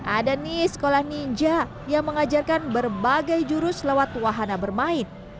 ada nih sekolah ninja yang mengajarkan berbagai jurus lewat wahana bermain